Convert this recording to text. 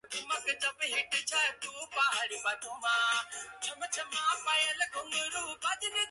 This power induces effects ranging from mild disorientation and vertigo to unconsciousness.